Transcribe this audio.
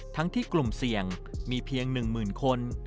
ทั้งที่กลุ่มเสี่ยงมีเพียง๑๐๐๐คน